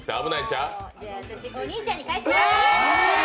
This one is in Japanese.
私、お兄ちゃんに返します。